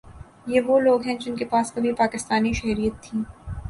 یہ وہ لوگ ہیں جن کے پاس کبھی پاکستانی شہریت تھی